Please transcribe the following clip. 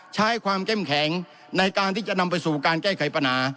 ใช้ความเข้มแข็งในการที่จะนำไปสู่การแก้ไขปัญหา